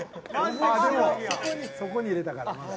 そこに入れたからまあ。